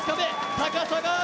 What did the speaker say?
高さがある。